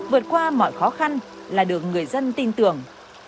vượt qua mọi khó khăn là được người dân tin tưởng